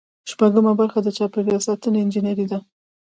شپږمه برخه د چاپیریال ساتنې انجنیری ده.